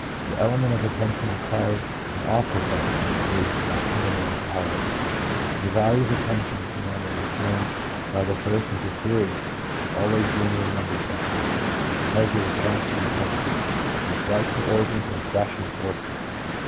The element of attention required in all perception, is lacking in the alcoholic. The value of attention to memory is shown by the first of a series always being remembered best, 2 because it attracts the attention, and strikes the organs when fresh and forceful.